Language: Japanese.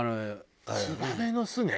ツバメの巣ね。